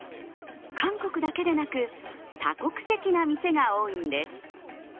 韓国だけでなく、多国籍な店が多いんです。